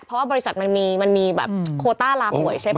เพราะว่าบริษัทมันมีโควต้าราป่วยใช่ไหมครับ